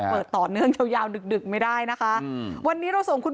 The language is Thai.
เปิดต่อเนื่องยาวยาวดึกดึกไม่ได้นะคะอืมวันนี้เราส่งคุณ